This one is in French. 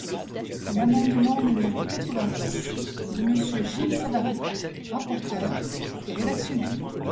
L’amendement numéro quatre-vingt-dix de Monsieur Gilles Savary, rapporteur, est rédactionnel.